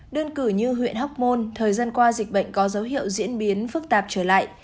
đơn cử như huyện hóc môn thời gian qua dịch bệnh có dấu hiệu diễn biến phức tạp trở lại